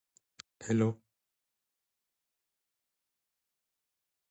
The weather is of the most boisterous description; it blows tomahawks and tornadoes.